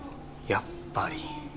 やっぱり。